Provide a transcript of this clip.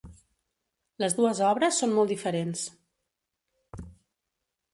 Les dues obres són molt diferents.